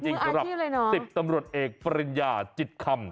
มุนอาทิตย์เลยเหรอติดตำรวจเอกปริญญาจิตคำ